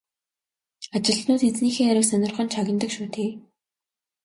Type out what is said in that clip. Ажилтнууд эзнийхээ яриаг сонирхон чагнадаг шүү дээ.